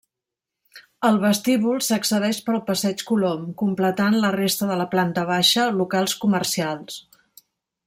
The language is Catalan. Al vestíbul s'accedeix pel passeig Colom, completant la resta de la planta baixa, locals comercials.